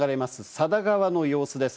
佐田川の様子です。